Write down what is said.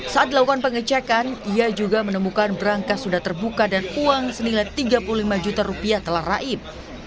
saat dilakukan pengecekan ia juga menemukan berangkas sudah terbuka dan uang senilai tiga puluh lima juta rupiah telah raib